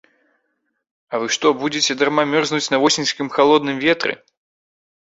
А вы што будзеце дарма мерзнуць на восеньскім халодным ветры?!